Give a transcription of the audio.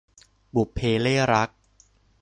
บุพเพเล่ห์รัก